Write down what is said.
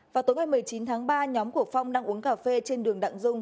vào tối ngày một mươi chín tháng ba nhóm của phong đang uống cà phê trên đường đặng dung